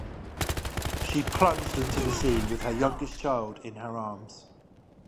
She plunged into the sea with her youngest child in her arms.